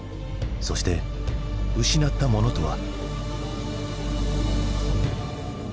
そして失ったものとは？